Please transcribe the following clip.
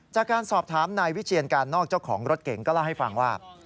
จากการสอบถามนายวิเชียนการนอกเจ้าของรถเก๋งก็เล่าให้ฟังว่า